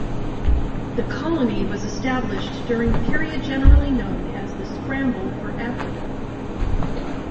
The colony was established during the period generally known as the "Scramble for Africa".